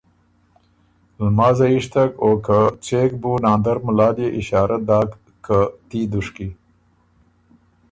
لمازه یِشتک او که څېک بُو ناندر مُلال يې اشارۀ داک که ”تي دُشکی“